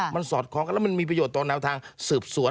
แล้วมันมีประโยชน์ตัวแนวทางสืบสวน